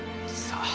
さあ。